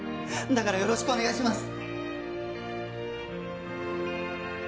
だからよろしくお願いします